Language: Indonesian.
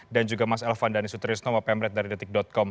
dan juga mas elvan dhani sutrisno wapemret dari detik com